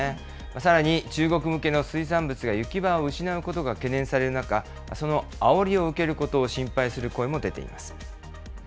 さらに、中国向けの水産物が行き場を失うことが懸念される中、そのあおりを受けることを心配する声も出ています。